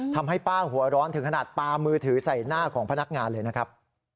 ทำให้ป้าหัวร้อนถึงขนาดปลามือถือใส่หน้าของพนักงานเลยนะครับ